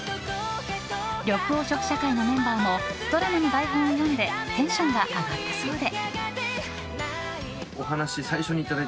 緑黄色社会のメンバーもドラマの台本を読んでテンションが上がったそうで。